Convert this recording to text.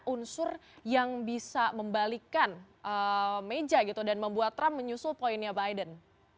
unsur yang bisa membalikkan meja gitu dan membuat trump menyusul poinnya biden